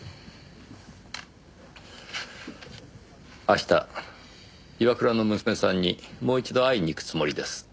明日岩倉の娘さんにもう一度会いにいくつもりです。